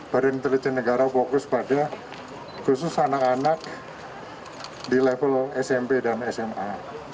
badan intelijen negara fokus pada khusus anak anak di level smp dan sma